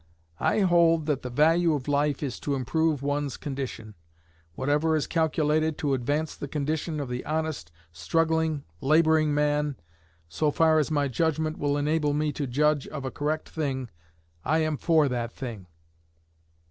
I hold that the value of life is to improve one's condition. Whatever is calculated to advance the condition of the honest, struggling laboring man, so far as my judgment will enable me to judge of a correct thing, I am for that thing.